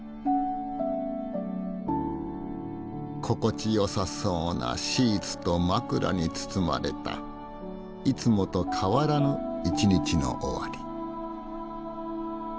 心地よさそうなシーツと枕に包まれたいつもと変わらぬ一日の終わり。